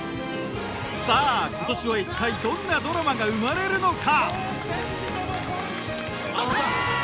さあ今年は一体どんなドラマが生まれるのか？